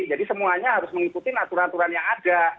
jadi semuanya harus mengikuti aturan aturan yang ada